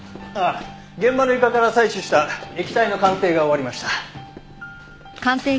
現場の床から採取した液体の鑑定が終わりました。